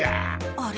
あれ？